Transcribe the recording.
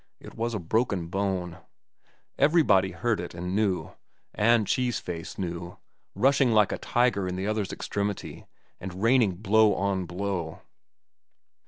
It was a broken bone. Everybody heard it and knew; and Cheese Face knew, rushing like a tiger in the other's extremity and raining blow on blow.